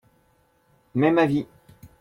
Même avis.